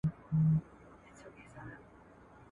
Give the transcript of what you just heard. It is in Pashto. د دين علم طلبول د هر مسلمان لپاره لازمي دی.